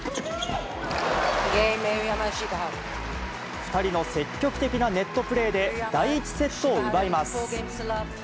２人の積極的なネットプレーで、第１セットを奪います。